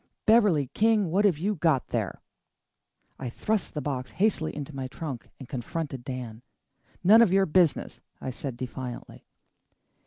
"Beverley King, what have you got there?" I thrust the box hastily into my trunk and confronted Dan. "None of your business," I said defiantly.